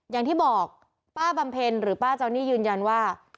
อย่างที่บอกป้าบำเพ็ญหรือป้าเจ้านี่ยืนยันว่า